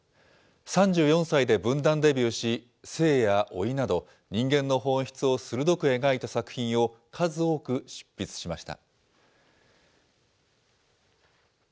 ３４歳で文壇デビューし、性や老いなど、人間の本質を鋭く描いた作品を数多く執筆しました。